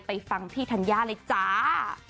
ฟังพี่ธัญญาเลยจ้า